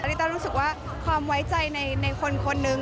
ลิต้ารู้สึกว่าความไว้ใจในคนคนนึง